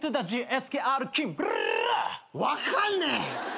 分かんねえ！